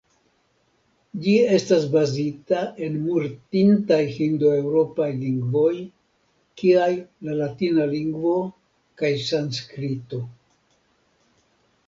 Ĝi estas bazita en mortintaj hindo-eŭropaj lingvoj kiaj la latina lingvo kaj sanskrito.